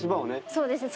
そうですね